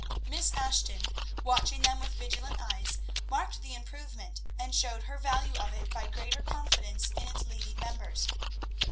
Miss Ashton, watching them with vigilant eyes, marked the improvement, and showed her value of it by greater confidence in its leading members.